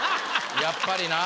やっぱりな。